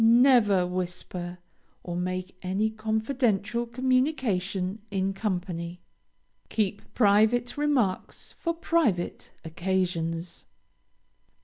Never whisper, or make any confidential communication in company. Keep private remarks for private occasions.